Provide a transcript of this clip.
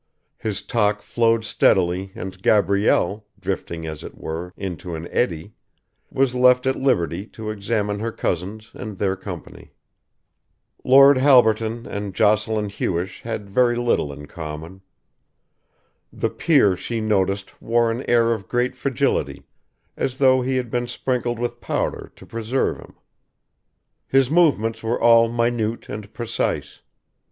His talk flowed steadily and Gabrielle, drifting as it were, into an eddy, was left at liberty to examine her cousins and their company. Lord Halberton and Jocelyn Hewish had very little in common. The peer she noticed wore an air of great fragility, as though he had been sprinkled with powder to preserve him. His movements were all minute and precise.